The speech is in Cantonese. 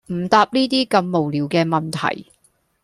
唔答呢啲咁無聊嘅問題